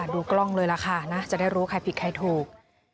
ดูกล้องเลยล่ะค่ะนะจะได้รู้ใครผิดใครถูก